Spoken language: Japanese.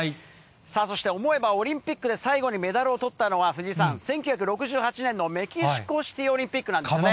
そして、思えばオリンピックで最後にメダルをとったのは、藤井さん、１９６８年のメキシコシティーオリンピックなんですね。